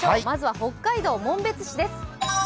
まずは北海道紋別市です。